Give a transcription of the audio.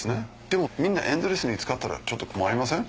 でもみんなエンドレスに使ったらちょっと困りません？